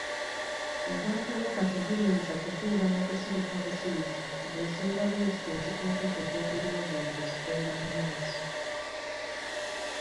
Obwakabaka tebuyinza kutuula na kusirika busirisi ng'ensonga bweziti ezikwata ku ddembe ly'obuntu zigenda mu maaso.